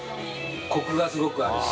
コクがすごくあるし。